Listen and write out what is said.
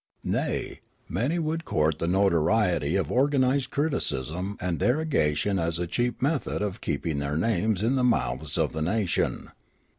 Nay, many would court the notoriety of organised ciiticism and derog ation as a cheap method of keeping their names in the mouths of the nation.